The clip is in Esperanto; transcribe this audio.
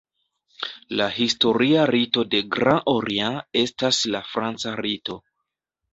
La historia rito de Grand Orient estas la franca rito.